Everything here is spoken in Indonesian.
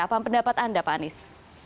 apa pendapat anda pak anies